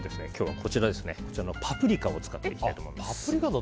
こちらのパプリカを使っていきたいと思います。